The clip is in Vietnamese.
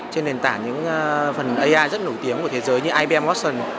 trên nền tảng những phần ai rất nổi tiếng của thế giới như ibm wattion